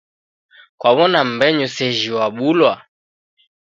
Kwaw'ona mmbenyu sejhi wabulwa?